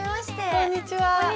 こんにちは。